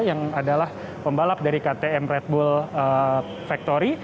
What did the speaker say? yang adalah pembalap dari ktm red bull factory